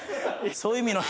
そういう意味の。